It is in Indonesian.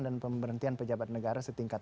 dan pemberhentian pejabat negara setingkat